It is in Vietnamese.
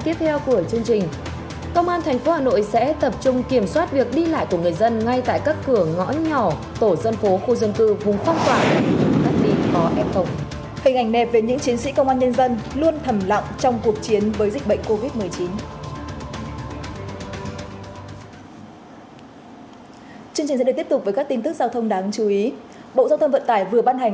tiếp tục với các tin tức giao thông đáng chú ý bộ giao thông vận tải vừa ban hành